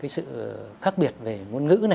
cái sự khác biệt về ngôn ngữ này